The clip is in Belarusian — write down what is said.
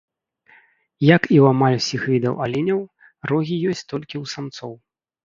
Як і ў амаль усіх відаў аленяў, рогі ёсць толькі ў самцоў.